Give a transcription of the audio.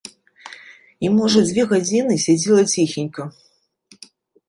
І, можа, дзве гадзіны сядзела ціхенька.